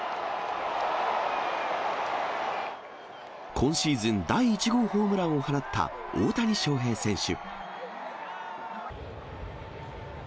今シーズン第１号ホームランを放った大谷翔平選手。